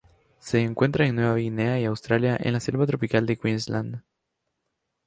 Se encuentra en Nueva Guinea y Australia en la selva tropical de Queensland.